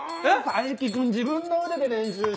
冴木君自分の腕で練習してよ！